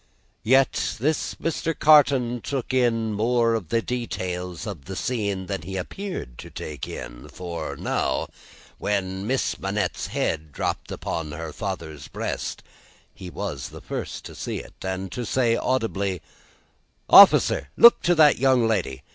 Yet, this Mr. Carton took in more of the details of the scene than he appeared to take in; for now, when Miss Manette's head dropped upon her father's breast, he was the first to see it, and to say audibly: "Officer! look to that young lady.